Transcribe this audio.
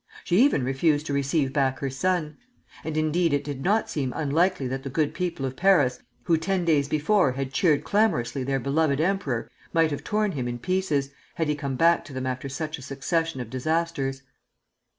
She even refused to receive back her son. And indeed it did not seem unlikely that the good people of Paris, who ten days before had cheered clamorously their beloved emperor, might have tom him in pieces, had he come back to them after such a succession of disasters.